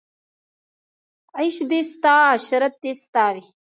عیش دې ستا عشرت دې ستا وي